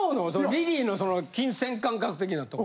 リリーの金銭感覚的なとこ。